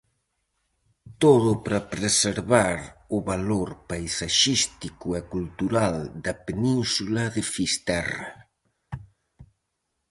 Todo para preservar o valor paisaxístico e cultural da península de Fisterra.